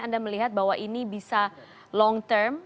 anda melihat bahwa ini bisa long term